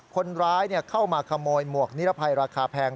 คนร้ายเข้ามาขโมยหมวกนิรภัยราคาแพง